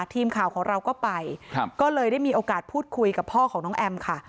ทีมข่าวของเราก็ไปก็เลยได้มีโอกาสพูดคุยกับพ่อของน้องแอมค่ะ